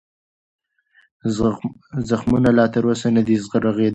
زخمونه لا تر اوسه نه دي رغېدلي.